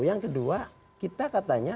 yang kedua kita katanya